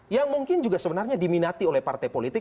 yang mungkin juga sebenarnya diminati oleh partai politik